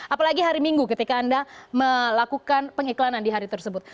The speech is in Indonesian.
apalagi hari minggu ketika anda melakukan pengiklanan di hari tersebut